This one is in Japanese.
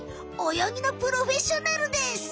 泳ぎのプロフェッショナルです。